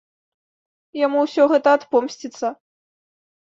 Яму ўсё гэта адпомсціцца.